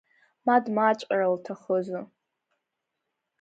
Ма дмааҵәҟьар лҭахызу?